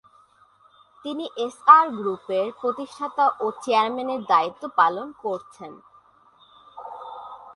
তিনি এসআর গ্রুপের প্রতিষ্ঠাতা ও চেয়ারম্যানের দায়িত্ব পালন করছেন।